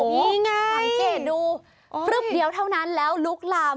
นี่ไงสังเกตดูฟึ๊บเดียวเท่านั้นแล้วลุกลาม